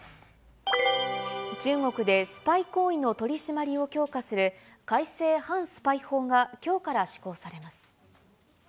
中国でスパイ行為の取締りを強化する改正反スパイ法がきょうから施行されます。